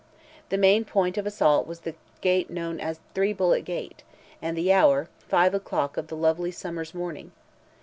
The main point of assault was the gate known as "three bullet gate," and the hour, five o'clock of the lovely summer's morning.